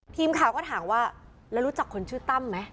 ทีมข่าวก็ถามว่าแล้วรู้จักคนชื่อตั้มไหม